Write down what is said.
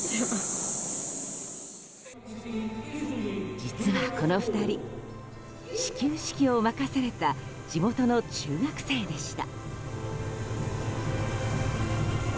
実は、この２人始球式を任された地元の中学生でした。